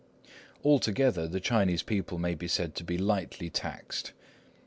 All together the Chinese people may be said to be lightly taxed.